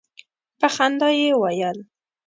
په خندا یې ویل.